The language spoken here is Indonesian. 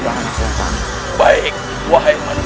baik wahai manusia